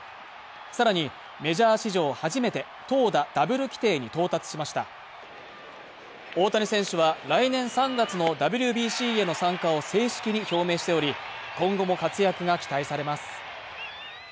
さらにメジャー史上初めて投打ダブル規定に到達しました大谷選手は来年３月のＷＢＣへの参加を正式に表明しており今後も活躍が期待されます